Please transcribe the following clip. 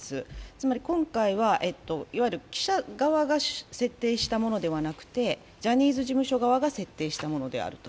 つまり今回は、いわゆる記者側が設定したものではなくてジャニーズ事務所側が設定したものである。